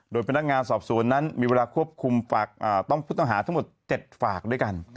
โดยพนักงานสอบสวนนั้นมีเวลาควบคุมฝากต้องผู้ต้องหาทั้งหมด๗ฝากด้วยกัน